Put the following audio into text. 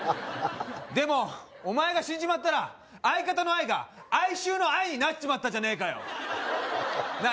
でもお前が死んじまったら相方の「あい」が哀愁の「哀」になっちまったじゃねえかよなあ